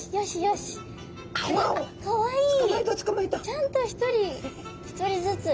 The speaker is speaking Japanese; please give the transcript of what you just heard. ちゃんと１人１人ずつ。